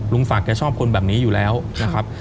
ศักดิ์แกชอบคนแบบนี้อยู่แล้วนะครับ